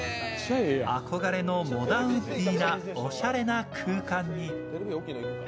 憧れのモダンウッディーなおしゃれな空間に。